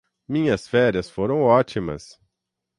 minhas férias foram ótimas